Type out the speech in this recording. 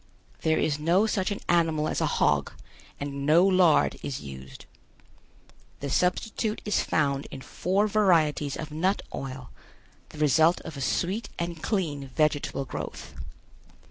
There is no such an animal as a hog and no lard is used. The substitute is found in four varieties of nut oil, the result of a sweet and clean vegetable growth.